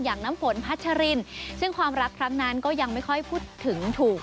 น้ำฝนพัชรินซึ่งความรักครั้งนั้นก็ยังไม่ค่อยพูดถึงถูก